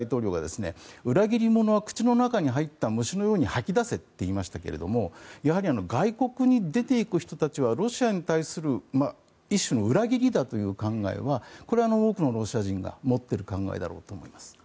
それで外国に出て行く人は裏切り者は口の中に入った虫のように吐き出せと言いましたけれどもやはり外国に出て行く人たちはロシアに対する一種の裏切りだという考えは多くのロシア人が持っている考えだと思います。